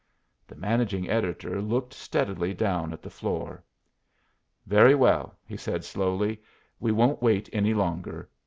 The managing editor looked steadily down at the floor. "Very well," he said, slowly, "we won't wait any longer.